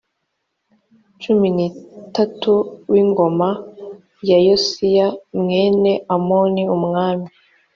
cumi n itatu w ingoma ya yosiya a mwene amoni umwami